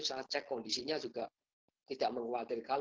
saya cek kondisinya juga tidak mengkhawatirkan